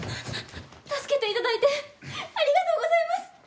助けて頂いてありがとうございます！